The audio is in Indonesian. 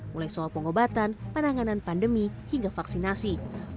mulai soal pengobatan penanganan pandemi hingga vaksinasi